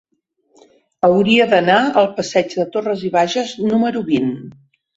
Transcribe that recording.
Hauria d'anar al passeig de Torras i Bages número vint.